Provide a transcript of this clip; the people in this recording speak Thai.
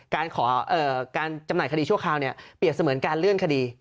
การขอการจำหน่ายคดีชั่วคราวเปรียบเสมือนการเลื่อนคดี